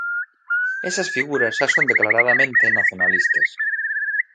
Esas figuras xa son declaradamente nacionalistas.